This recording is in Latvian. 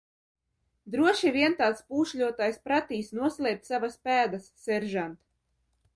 Droši vien tāds pūšļotājs pratīs noslēpt savas pēdas, seržant!